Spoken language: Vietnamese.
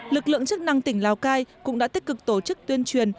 lực lượng chức năng tỉnh lào cai cũng đã tích cực tổ chức tuyên truyền